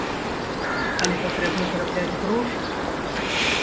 Але патрэбна зарабляць грошы.